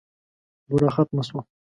بوره ختمه شوه .